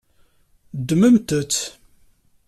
Ddmemt-tt.